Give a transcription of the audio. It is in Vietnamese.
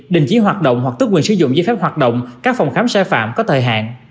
đình chỉ hoạt động hoặc tước quyền sử dụng giấy phép hoạt động các phòng khám sai phạm có thời hạn